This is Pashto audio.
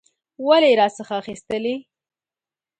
ولي یې راڅخه اخیستلې؟